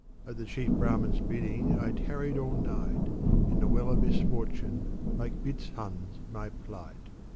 At the chief Brahmin's bidding I tarried all night ; In the well of misfortune, like Bizhan's* my plight.